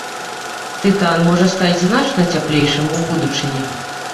Тытан можа стаць значна цяплейшым у будучыні.